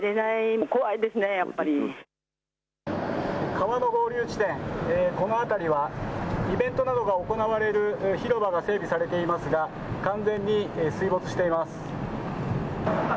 川の合流地点、この辺りはイベントなどが行われる広場が整備されていますが完全に水没しています。